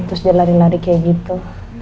terus dia lari lari kayak gitu